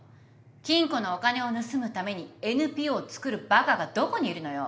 金庫のお金を盗むためにＮＰＯをつくるバカがどこにいるのよ。